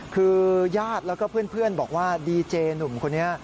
คือญาติแล้วก็เพื่อนบอกว่าดีเจหนุ่มคนนี้